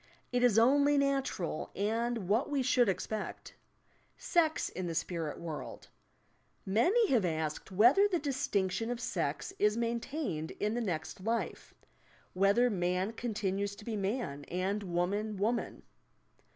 It is only natural, and what we should expect L SEX IN THE SPIRIT WORLD Many have asked whether the distinction of sex is maintained in the next life; whether man continues to be man and woman woman.